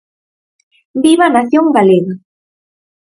Viva a nación galega.